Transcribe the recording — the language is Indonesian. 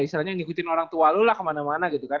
istilahnya ngikutin orang tua lu lah kemana mana gitu kan